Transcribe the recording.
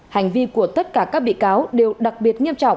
hành vi của tất cả các bị cáo đều đặc biệt nghiêm trọng